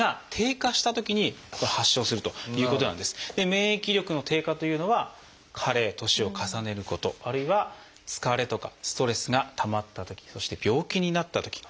免疫力の低下というのは加齢年を重ねることあるいは疲れとかストレスがたまったときそして病気になったとき。